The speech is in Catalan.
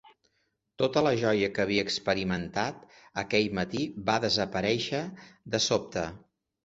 Tota la joia que havia experimentat aquell matí va desaparèixer de sobte.